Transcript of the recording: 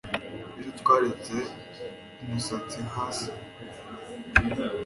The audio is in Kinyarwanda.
Ejo twaretse umusatsi hasi